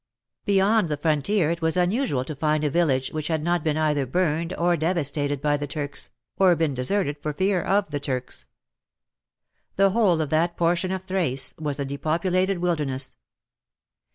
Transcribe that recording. Beyond the frontier it was unusual to find a village which had not been either burned or devastated by the Turks, or been deserted for fear of the Turks. The whole of that portion of Thrace was a depopulated wilderness.